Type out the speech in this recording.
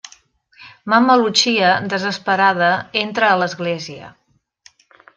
Mamma Lucia, desesperada, entra a l'església.